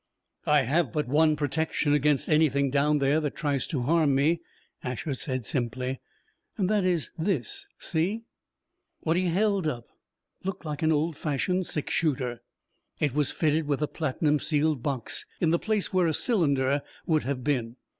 "I have but one protection against anything down there that tries to harm me," Asher said simply. "That is this see?" What he held up looked like an old fashioned six shooter. It was fitted with a platinum sealed box in the place where a cylinder would have been.